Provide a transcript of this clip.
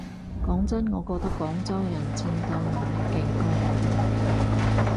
講真我覺得廣州人戰鬥能力勁過我哋